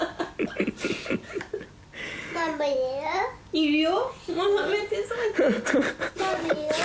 いるよ。